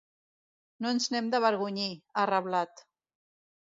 No ens n’hem d’avergonyir, ha reblat.